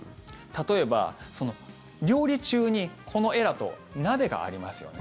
例えば、料理中にこの絵だと鍋がありますよね。